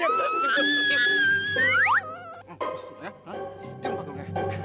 bersuhanya diam padel